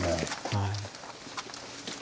はい。